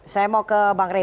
saya mau ke bang rey